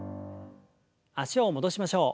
脚を戻しましょう。